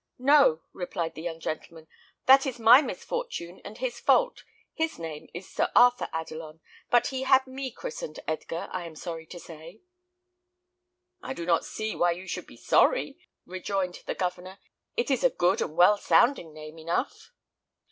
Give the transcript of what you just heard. "No," replied the young gentleman, "that is my misfortune and his fault. His name is Sir Arthur Adelon, but he had me christened Edgar, I am sorry to say." "I do not see why you should be sorry," rejoined the Governor; "it is a good and well sounding name enough."